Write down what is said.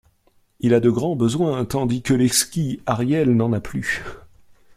Il a de grands besoins, tandis que l'exquis Ariel n'en a plus.